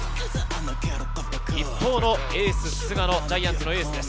一方のエース・菅野、ジャイアンツのエースです。